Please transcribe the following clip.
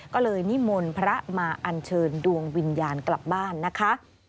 ก็เลยนิมนต์พระมาอัญเชิญดวงวิญญาณกลับบ้านนะคะ